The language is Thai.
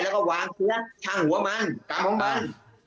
แล้วก็วางเสื้อช่างหัวมันกลางหัวมัน